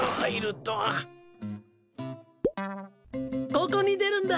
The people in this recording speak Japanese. ここに出るんだ。